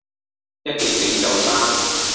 一件短袖衫